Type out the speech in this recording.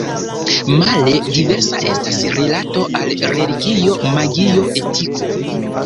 Male diversa estas rilato al religio, magio, etiko.